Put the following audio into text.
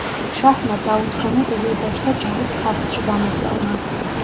შაჰმა დაუთ-ხანი ყიზილბაშთა ჯარით ქართლში გამოგზავნა.